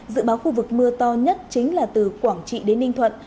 dự báo khu vực mưa to nhất chính là từ quảng trị đến ninh thuận